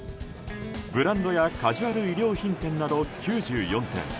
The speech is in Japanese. ブランドやカジュアル衣料品店など９４店。